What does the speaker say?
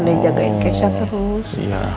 dia jagain kece terus